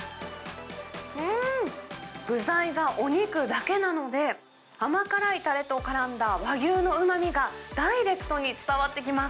うーん、具材がお肉だけなので、甘辛いたれとからんだ和牛のうまみが、ダイレクトに伝わってきます。